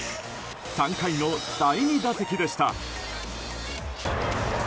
３回の第２打席でした。